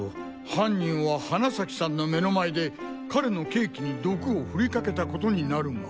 犯人は花崎さんの目の前で彼のケーキに毒をふりかけたことになるが。